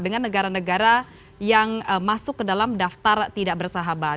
dengan negara negara yang masuk ke dalam daftar tidak bersahabat